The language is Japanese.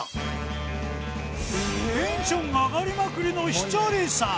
テンションが上がりまくりの稀哲さん